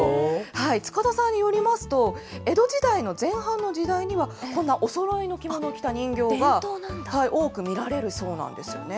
塚田さんによりますと、江戸時代の前半の時代には、こんなおそろいの着物を着た人形が多く見られるそうなんですよね。